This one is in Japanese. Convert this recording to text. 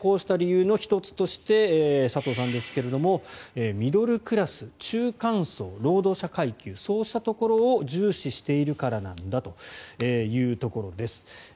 こうした理由の１つとして佐藤さんですけれどもミドルクラス中間層、労働者階級そうしたところを重視しているからなんだというところです。